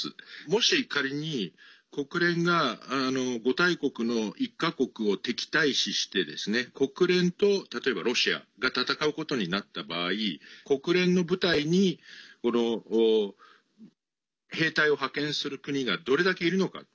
もし、仮に国連が５大国の１か国を敵対視して国連と、例えばロシアが戦うことになった場合国連の部隊に兵隊を派遣する国がどれだけいるのか。